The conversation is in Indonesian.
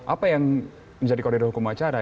apa yang menjadi koridor hukum acara